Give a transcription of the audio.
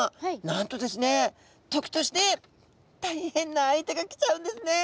なんとですね時として大変な相手が来ちゃうんですね。